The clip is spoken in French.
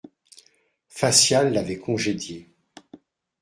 Facial l'avait congédiée.